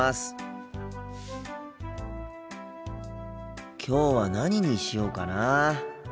心の声きょうは何にしようかな。